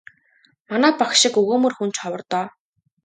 Манай багш шиг өгөөмөр хүн ч ховор доо.